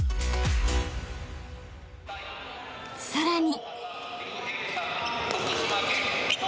［さらに］